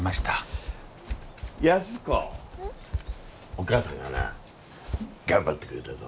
お母さんがな頑張ってくれたぞ。